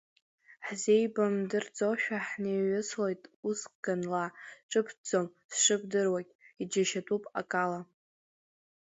Ҳзеибамдырӡошәа, ҳнеиҩыслоит ус ганла, ҿыбҭӡом, сшыбдыруагь, иџьашьатәуп акала.